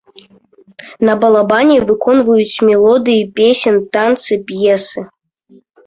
На балабане выконваюць мелодыі песень, танцы, п'есы.